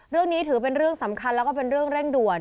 เรื่องนี้ถือเป็นเรื่องสำคัญแล้วก็เป็นเรื่องเร่งด่วน